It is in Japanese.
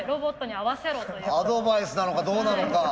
アドバイスなのかどうなのか。